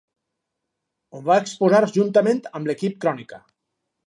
On va exposar juntament amb l'Equip Crònica.